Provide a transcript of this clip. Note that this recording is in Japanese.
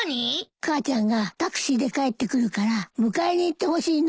母ちゃんがタクシーで帰ってくるから迎えに行ってほしいの。